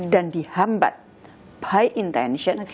dan dihambat by intention